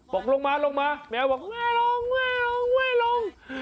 บอกลงมาแมวบอกลงลง